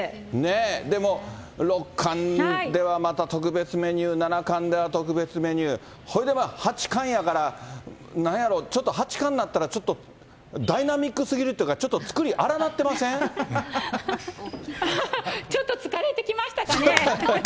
でも、六冠ではまた特別メニュー、七冠では特別メニュー、ほいでまあ、八冠やから、何やろう、ちょっと八冠になったらちょっとダイナミックすぎるというか、ちょっと作り、ちょっと疲れてきましたかね。